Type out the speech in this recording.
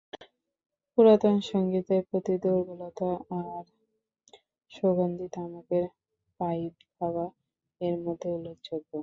পুরাতন সঙ্গীতের প্রতি দুর্বলতা আর সুগন্ধি তামাকের পাইপ খাওয়া এর মধ্যে উল্লেখযোগ্য।